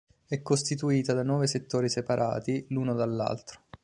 È costituita da nove settori separati l'uno dall'altro.